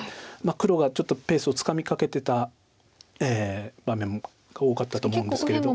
黒がちょっとペースをつかみかけてた場面が多かったと思うんですけど。